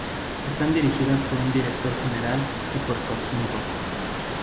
Están dirigidas por un Director General y por su Adjunto.